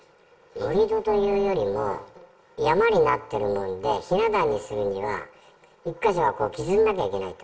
盛り土というよりも、山になっているもので、ひな壇にするには、１か所、削んなきゃいけないと。